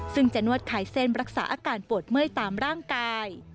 ซึ่งจะนวดคลายเส้นรักษาอาการปวดเมื่อยตามร่างกาย